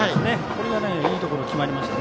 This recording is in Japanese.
これがいいところに決まりました。